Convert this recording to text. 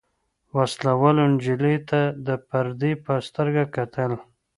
وسله والو نجلۍ ته د پردۍ په سترګه کتل.